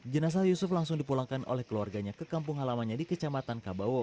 jenasa yusuf langsung dipulangkan oleh keluarganya ke kampung halamannya di kecamatan kabawo